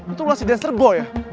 itu lo si dinosaur boy ya